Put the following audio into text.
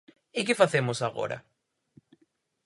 ¿E que facemos agora?